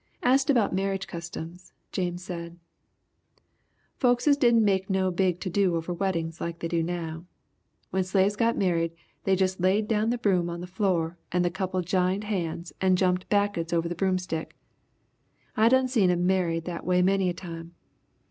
Asked about marriage customs, James said: "Folkses didn' make no big to do over weddings like they do now. When slaves got married they jus' laid down the broom on the floor and the couple jined hands and jumped back uds over the broomstick. I done seed 'em married that way many a time.